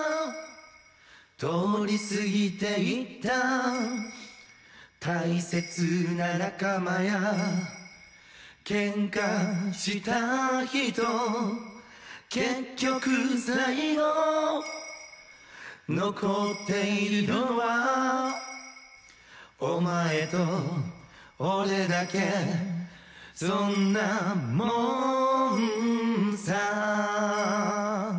通り過ぎていった大切な仲間や喧嘩した人結局最後残っているのはお前と俺だけそんなもんさ